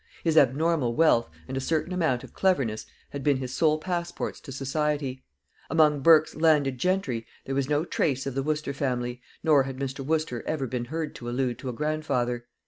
His abnormal wealth, and a certain amount of cleverness, had been his sole passports to society. Among Burke's Landed Gentry there was no trace of the Wooster family, nor had Mr. Wooster ever been heard to allude to a grandfather.